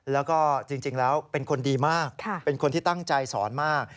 แล้วก็จริงแล้วเป็นคนดีมากเป็นคนที่ตั้งใจสอนมาก